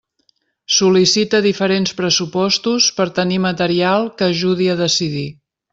Sol·licita diferents pressupostos per tenir material que ajudi a decidir.